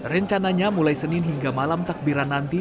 rencananya mulai senin hingga malam takbiran nanti